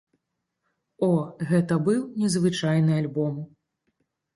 О, гэта быў незвычайны альбом!